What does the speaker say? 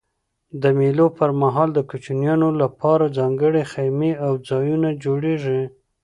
د مېلو پر مهال د کوچنيانو له پاره ځانګړي خیمې یا ځایونه جوړېږي.